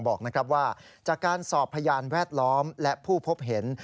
บอกว่าจากการสอบพยานแวดล้อมและผู้พบเห็น